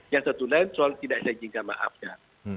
yang satu lain soal tidak saya izinkan maafnya